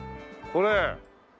これ。